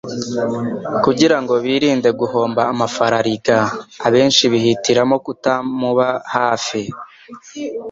Kugira ngo birinde guhomba amafarariga, abenshi bihitiramo kutamuba hafi;